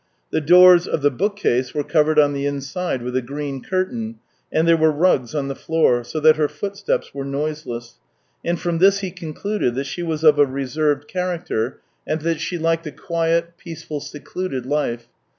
The doors of the bookcase were covered on the inside with a green curtain, and there were rugs on the floor, so that her footsteps were noiseless — and from this he concluded that she was of a reserved character, and that she liked a quiet, peaceful, secluded life.